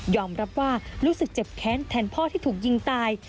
รับว่ารู้สึกเจ็บแค้นแทนพ่อที่ถูกยิงตาย